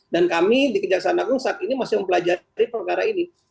dan kami di kejaksaan agung saat ini masih mempelajari perkara ini